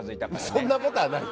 そんなことはない。